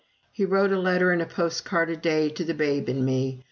He wrote a letter and a postcard a day to the babe and me.